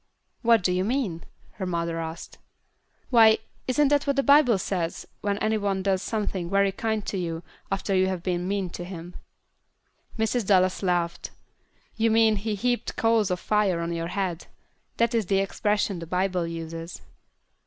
"What do you mean?" her mother asked. "Why, isn't that what the Bible says when any one does something very kind to you after you have been mean to him?" Mrs. Dallas laughed. "You mean he heaped coals of fire on your head; that is the expression the Bible uses."